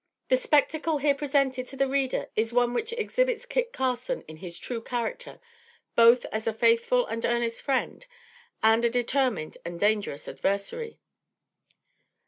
The spectacle here presented to the reader, is one which exhibits Kit Carson in his true character both as a faithful and earnest friend, and a determined and dangerous adversary.